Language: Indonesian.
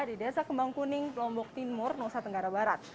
di desa kembang kuning lombok timur nusa tenggara barat